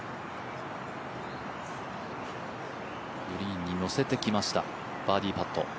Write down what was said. グリーンに乗せてきましたバーディーパット。